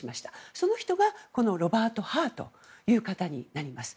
その人がロバート・ハーという方になります。